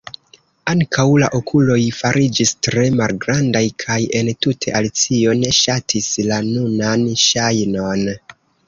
Ankaŭ la okuloj fariĝis tre malgrandaj, kaj entute Alicio ne ŝatis la nunan ŝajnon.